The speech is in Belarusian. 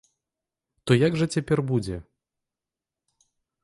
То як жа цяпер будзе?